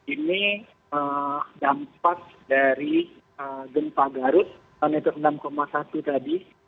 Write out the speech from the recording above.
ini dampak dari gempa garut enam satu tadi